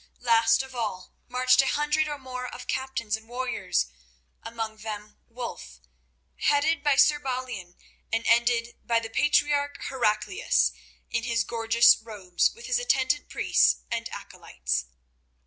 Last of all marched a hundred or more of captains and warriors, among them Wulf, headed by Sir Balian and ended by the patriarch Heraclius in his gorgeous robes, with his attendant priests and acolytes.